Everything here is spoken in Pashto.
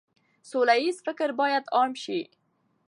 سوله ييز فکر بايد عام شي.